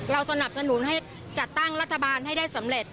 สนับสนุนให้จัดตั้งรัฐบาลให้ได้สำเร็จ